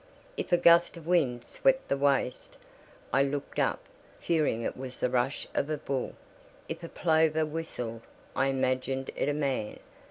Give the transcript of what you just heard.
If a gust of wind swept the waste, I looked up, fearing it was the rush of a bull; if a plover whistled, I imagined it a man.